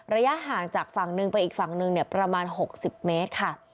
ระยะห่างจากฝั่งหนึ่งไปอีกฝั่งหนึ่งประมาณ๖๐เมตรค่ะ